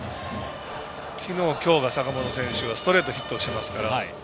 昨日、今日が坂本選手がストレートヒットをしていますから。